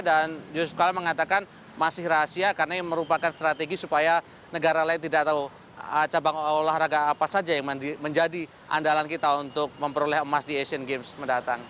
dan yusuf kala mengatakan masih rahasia karena merupakan strategi supaya negara lain tidak tahu cabang olahraga apa saja yang menjadi andalan kita untuk memperoleh emas di asian games mendatang